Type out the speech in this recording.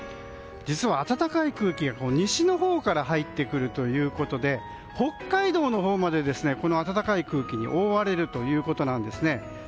実は暖かい空気が西のほうから入ってくるということで北海道のほうまで暖かい空気に覆われるということなんです。